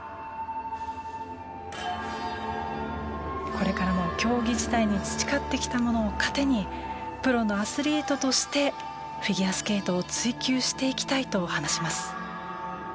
これからも競技時代に培ってきたものを糧にプロのアスリートとしてフィギュアスケートを追求していきたいと話します。